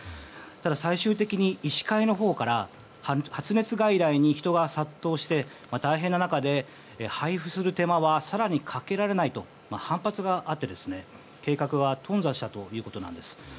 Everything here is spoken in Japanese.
ただ、最終的に医師会のほうから発熱外来に人が殺到して大変な中で配布する手間は更にかけられないと反発があって計画はとん挫したということなんです。